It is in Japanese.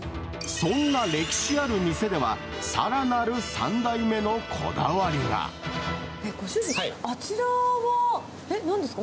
そんな歴史ある店ではさらなご主人、あちらは、なんですか？